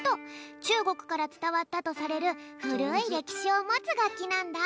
ちゅうごくからつたわったとされるふるいれきしをもつがっきなんだ。